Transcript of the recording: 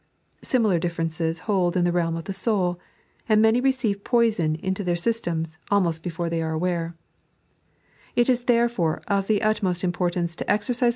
Similar differences hold in the realm of the soul ; and many receive poison into their systems almost before they are aware It is therefore of the utmost importance to exercise the 3.